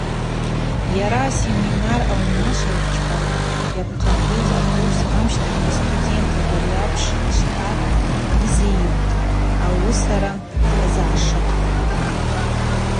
Йара асеминар аунашвачпагӏв йапхъахуз акурс амщтахь йстудент абари апш швъа йзигӏвтӏ: Ауысара дазгӏашыкъпӏ.